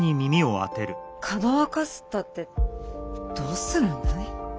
かどわかすったってどうするんだい？